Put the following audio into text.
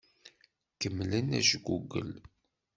Kemmlem ajgugel.